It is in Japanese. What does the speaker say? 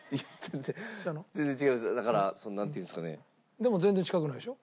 でも全然近くないでしょ？